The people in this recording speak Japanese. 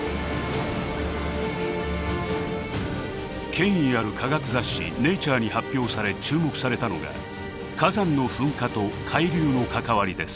権威ある科学雑誌「ネイチャー」に発表され注目されたのが火山の噴火と海流の関わりです。